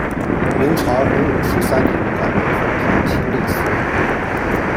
明朝洪武十三年改为屯田清吏司。